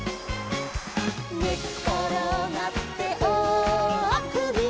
「ねっころがっておおあくびの」